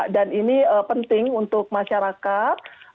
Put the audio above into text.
dan ini penting untuk masyarakat